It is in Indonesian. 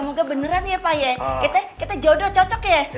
semoga beneran ya pak ya kita jodoh cocok ya